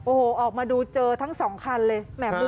โอ้โหออกมาดูเจอทั้งสองคันเลย